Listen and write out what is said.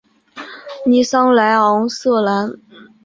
尼桑莱昂瑟兰。